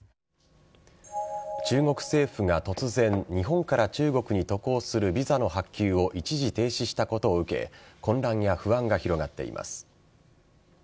中国政府が突然、日本から中国に渡航するビザの発給を一時停止したことを受け混乱や不安が広がっています。